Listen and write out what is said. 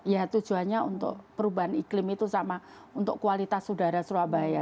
ya tujuannya untuk perubahan iklim itu sama untuk kualitas udara surabaya